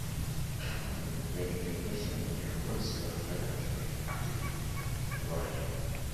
kama walivyoelekezwa na kiongozi wao hayati Kinjekitile Ngwale